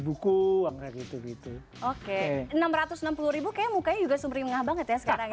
buku gitu gitu oke enam ratus enam puluh kayaknya mukanya juga sumringah banget ya sekarang